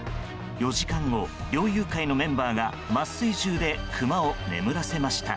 ４時間後、猟友会のメンバーが麻酔銃でクマを眠らせました。